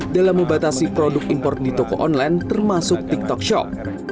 dalam membatasi produk import di toko online termasuk tiktok shop